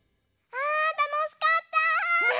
あたのしかった！ね。